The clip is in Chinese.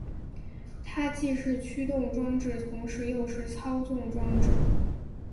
它既是驱动装置同时又是操纵装置。